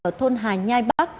ở thôn hà nhai bắc